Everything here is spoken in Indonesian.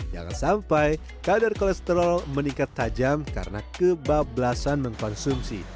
jangan sampai kadar kolesterol meningkat tajam karena kebab belasan mengkonsumsi